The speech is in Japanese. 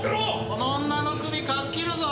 この女の首掻っ切るぞ！